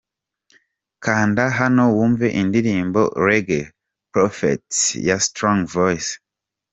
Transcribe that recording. Kanda hano wumve indirimbo reggae prophets ya Strong voice.